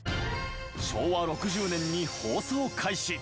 昭和６０年に放送開始。